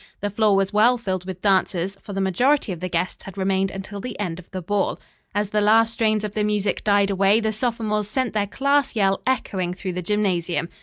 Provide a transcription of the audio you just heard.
The floor was well filled with dancers, for the majority of the guests had remained until the end of the ball. As the last strains of the music died away the sophomores sent their class yell echoing through the gymnasium.